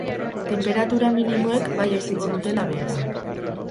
Tenperatura minimoek bai egingo dutela behera.